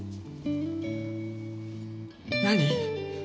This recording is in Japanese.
何？